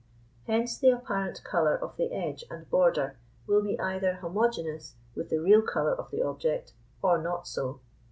Hence the apparent colour of the edge and border will be either homogeneous with the real colour of the object, or not so.